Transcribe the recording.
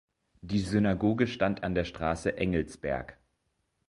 Die Synagoge stand an der Straße "Engelsberg".